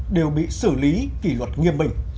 đều bị xử lý kỷ luật nghiêm bình